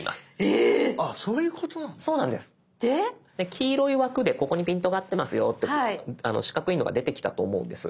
黄色い枠でここにピントが合ってますよと四角いのが出てきたと思うんです。